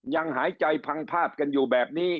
หายใจพังพาดกันอยู่แบบนี้